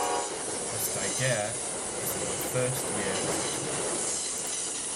A "Stagiaire" is in the first year of the Tour.